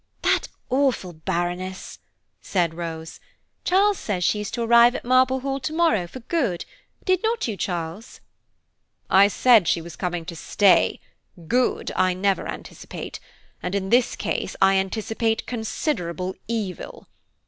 "That awful Baroness!" said Rose; "Charles says she is to arrive at Marble Hall to morrow for good–did not you, Charles?" "I said she was coming to stay–good I never anticipate, and in this case I anticipate considerable evil.